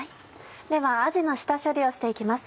ではあじの下処理をして行きます。